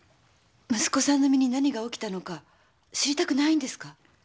息子さんの身に何が起きたのか知りたくないんですか？